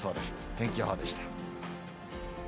天気予報でした。